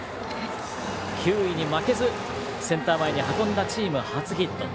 球威に負けずセンター前に運んだチーム初ヒット。